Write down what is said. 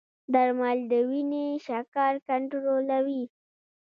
درمل د وینې شکر کنټرولوي.